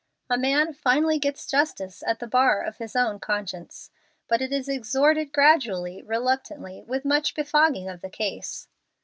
A man finally gets justice at the bar of his own conscience, but it is extorted gradually, reluctantly, with much befogging of the case.